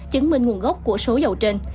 chứng minh nguồn gốc của số dầu trên